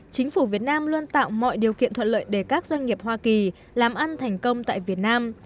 chính phủ việt nam luôn tạo mọi điều kiện thuận lợi để các doanh nghiệp hoa kỳ làm ăn thành công tại việt nam